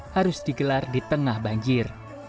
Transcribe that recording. harus digelar di tengah banjir